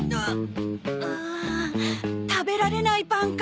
うーん食べられないパンか。